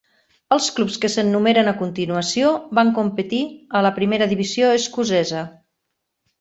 Els clubs que s'enumeren a continuació van competir a la primera divisió escocesa.